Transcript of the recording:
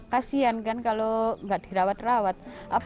kasian kan kalau nggak dirawat rawat